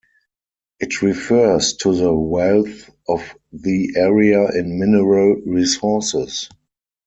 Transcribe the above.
It refers to the wealth of the area in mineral resources.